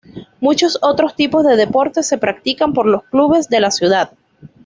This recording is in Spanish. Muchos otros tipos de deportes se practican por los clubes de la ciudad.